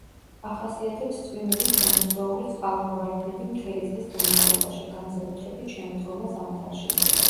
ახასიათებს წვიმებით გამოწვეული წყალმოვარდნები მთელი წლის განმავლობაში, განსაკუთრებით შემოდგომა-ზამთარში.